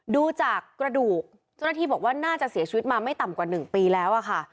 ดูจากกระดูกเจ้าหน้าที่บอกว่าน่าจะเสียชีวิตมาไม่ต่ำกว่า๑ปีแล้วอะค่ะ